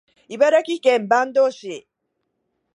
茨城県坂東市